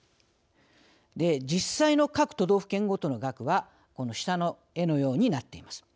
実際の各都道府県ごとの額はこの下の絵のようになっています。